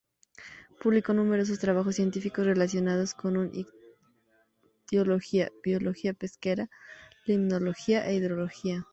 Publicó numerosos trabajos científicos relacionados con ictiología, biología pesquera, limnología e hidrología.